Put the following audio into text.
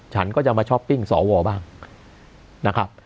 ฉันก็จะมาช้อปปิ้งสวบ้างนะครับ